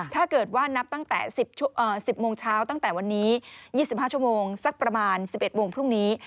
ถ้าเกิดว่านับตั้งแต่๑๐โมงเช้าตั้งแต่วันนี้๒๕ชั่วโมงสักประมาณ๑๑โมงพรุ่งนี้